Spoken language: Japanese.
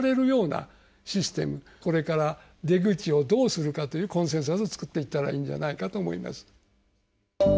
これから出口をどうするかというコンセンサスを作っていったらいいんじゃないかと思います。